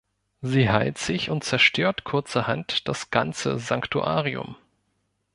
Sie heilt sich und zerstört kurzerhand das ganze Sanktuarium.